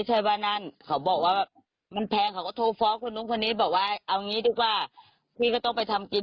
จากราชญาขอค่าน้ำมันแล้วกัน